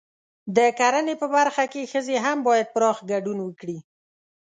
د کرنې په برخه کې ښځې هم باید پراخ ګډون وکړي.